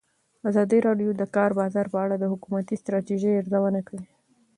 ازادي راډیو د د کار بازار په اړه د حکومتي ستراتیژۍ ارزونه کړې.